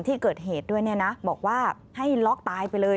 ที่เกิดเหตุด้วยเนี่ยนะบอกว่าให้ล็อกตายไปเลย